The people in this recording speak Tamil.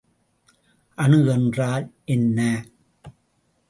அணு என்றால் என்ன?